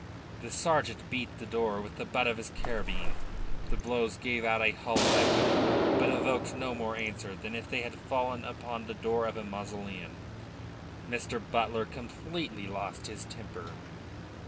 The sergeant beat the door with the butt of his carbine. The blows gave out a hollow echo, but evoked no more answer than if they had fallen upon the door of a mausoleum. Mr. Butler completely lost his temper.